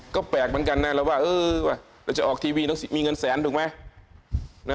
ก็แปลกเหมือนกันนะแล้วว่าเราจะออกทีวีต้องมีเงินแสนถูกไหม